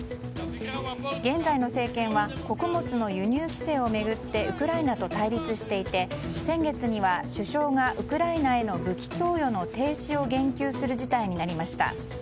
現在の政権は穀物の輸入規制を巡ってウクライナと対立していて先月には首相がウクライナへの武器供与の停止を言及する事態になりました。